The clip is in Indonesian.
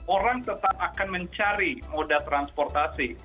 orang tetap akan mencari moda transportasi